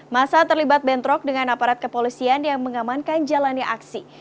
masa terlibat bentrok dengan aparat kepolisian yang mengamankan jalannya aksi